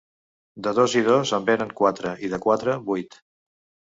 De dos i dos en venen quatre, i de quatre vuit